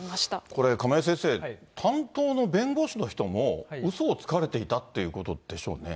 これ、亀井先生、担当の弁護士の人もうそをつかれていたということでしょうね。